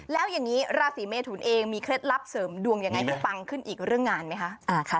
แล้วอย่างนี้ราศีเมทุนเองมีเคล็ดลับเสริมดวงยังไงให้ปังขึ้นอีกเรื่องงานไหมคะ